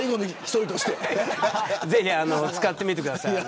ぜひ使ってみてください。